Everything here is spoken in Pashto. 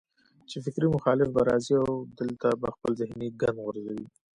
چې فکري مخالف به راځي او دلته به خپل ذهني ګند غورځوي